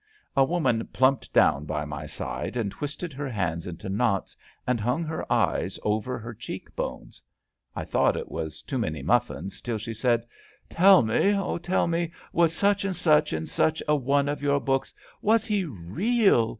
A woman plumped down by my side and twisted her hands into knots, and hung her eyes over her cheek bones. I thought it was too many muflSns, till she said: " Tell me, oh, tell me, was such and such in such a one of your books — was he real?